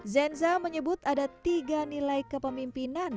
zenza menyebut ada tiga nilai kepemimpinan